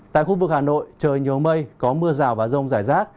tại khu vực hà nội trời nhiều mây có mưa rào và rông rải rác